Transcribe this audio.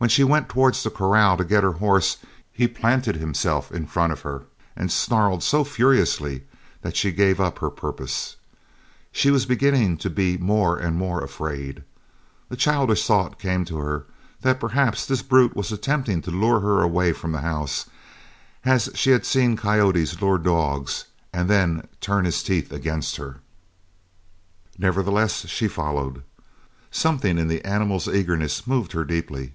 When she went towards the corral to get her horse, he planted himself in front of her and snarled so furiously that she gave up her purpose. She was beginning to be more and more afraid. A childish thought came to her that perhaps this brute was attempting to lure her away from the house, as she had seen coyotes lure dogs, and then turn his teeth against her. Nevertheless she followed. Something in the animal's eagerness moved her deeply.